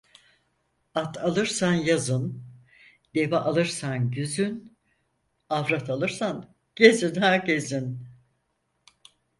At alırsan yazın, deve alırsan güzün, avrat alırsan gezin ha gezin.